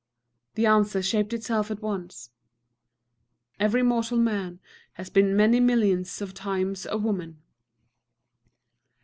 The answer shaped itself at once, "_Every mortal man has been many millions of times a woman.